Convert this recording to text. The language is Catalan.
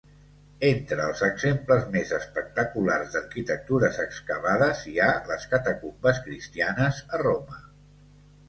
Entre els exemples més espectaculars d'arquitectures excavades hi ha les catacumbes cristianes a Roma.